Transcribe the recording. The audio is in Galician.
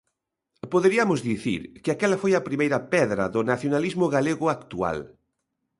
Poderiamos dicir que aquela foi a primeira pedra do nacionalismo galego actual.